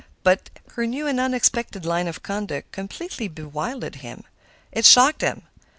But her new and unexpected line of conduct completely bewildered him. It shocked him.